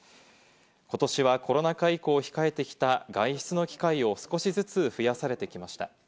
ことしはコロナ禍以降、控えてきた外出の機会を少しずつ増やされてきました。